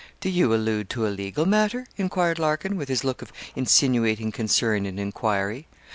Do you allude to a legal matter?' enquired Larkin, with his look of insinuating concern and enquiry.